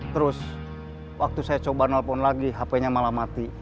terus waktu saya coba nelpon lagi hp nya malah mati